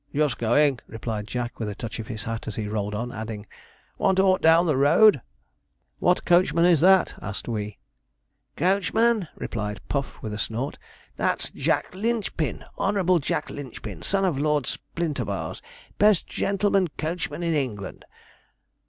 'Just going,' replied Jack, with a touch of his hat, as he rolled on, adding, 'want aught down the road?' 'What coachman is that?' asked we. 'Coachman!' replied Puff, with a snort. 'That's Jack Linchpin Honourable Jack Linchpin son of Lord Splinterbars best gentleman coachman in England.'